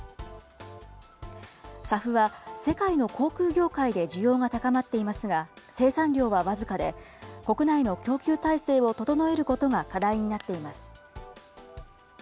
ＳＡＦは、世界の航空業界で需要が高まっていますが、生産量は僅かで、国内の供給体制を整えることが課題になっています。